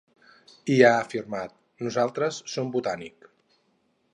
I ha afirmat: ‘Nosaltres som Botànic.’